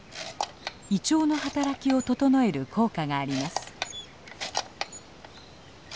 胃腸の働きを整える効果があります。